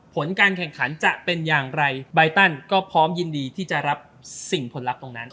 ผลการแข่งขันจะเป็นอย่างไรใบตันก็พร้อมยินดีที่จะรับสิ่งผลลัพธ์ตรงนั้น